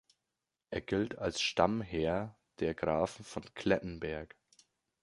Er gilt als Stammherr der Grafen von Klettenberg.